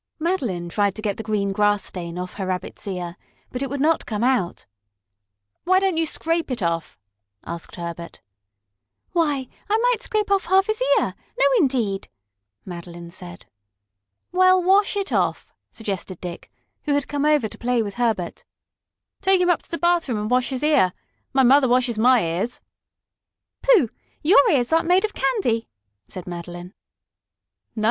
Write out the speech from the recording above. Madeline tried to get the green grass stain off her Rabbit's ear, but it would not come out. "Why don't you scrape it off?" asked Herbert. "Why, I might scrape off half his ear! No, indeed!" Madeline said. "Well, wash it off," suggested Dick, who had come over to play with Herbert. "Take him up to the bathroom and wash his ear. My mother washes my ears." "Pooh! your ears aren't made of candy," said Madeline. "No.